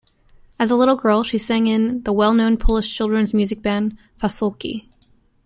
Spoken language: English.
As a little girl she sang in the well-known Polish children's music band Fasolki.